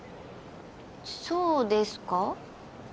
そうですか？